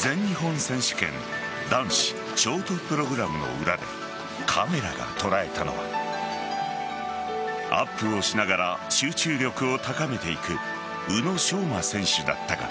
全日本選手権男子ショートプログラムの裏でカメラが捉えたのはアップをしながら集中力を高めていく宇野昌磨選手だったが。